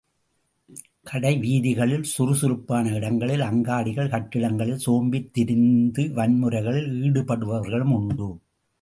கடை வீதிகளில் சுறுசுறுப்பான இடங்களில் அங்காடிகள் கட்டிடங்களில் சோம்பித் திரிந்து வன்முறைகளில் ஈடுபடுபவர்களும் உண்டு.